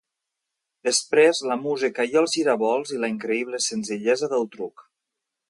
Després, la música i els giravolts i la increïble senzillesa del truc.